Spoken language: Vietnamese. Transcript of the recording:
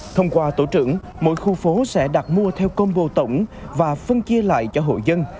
thông qua tổ trưởng mỗi khu phố sẽ đặt mua theo combo tổng và phân chia lại cho hộ dân